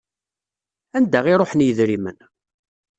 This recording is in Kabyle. Anda i ruḥen yedrimen?